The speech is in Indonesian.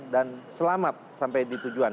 dan selamat sampai ditujuan